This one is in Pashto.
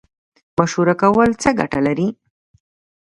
مشوره کول څه ګټه لري؟